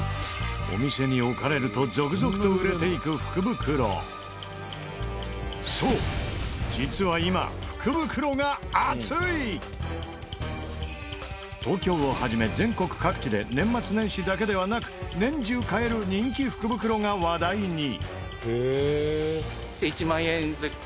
お店に置かれるとそう実は東京を始め全国各地で年末年始だけではなく年中買える人気福袋が話題に！